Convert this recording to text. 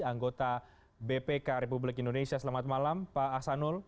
anggota bpk republik indonesia selamat malam pak ahsanul